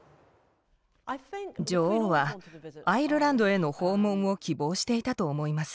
女王はアイルランドへの訪問を希望していたと思います。